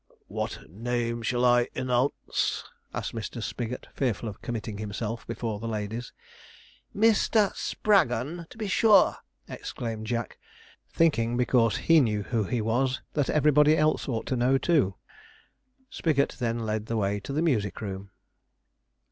'What name shall I _e_nounce?' asked Mr. Spigot, fearful of committing himself before the ladies. 'MISTER SPRAGGON, to be sure,' exclaimed Jack, thinking, because he knew who he was, that everybody else ought to know too. Spigot then led the way to the music room.